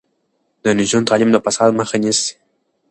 د نجونو تعلیم د فساد مخه نیسي.